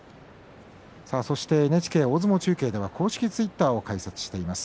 さてＮＨＫ大相撲中継では公式ツイッターを開設しています。